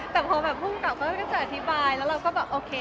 แต่พอแบบภูมิกับก็ไม่ได้จะอธิบายแล้วเราก็แบบโอเค